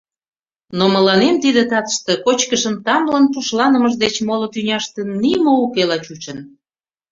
Но мыланем тиде татыште кочкышын тамлын пушланымыж деч моло тӱняште нимо укела чучын.